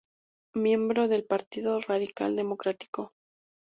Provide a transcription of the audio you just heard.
Miembro del Partido Radical Democrático.